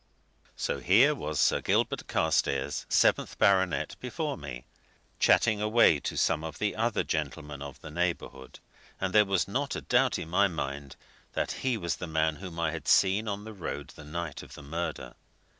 So here was Sir Gilbert Carstairs, seventh baronet, before me, chatting away to some of the other gentlemen of the neighbourhood, and there was not a doubt in my mind that he was the man whom I had seen on the road the night of the murder.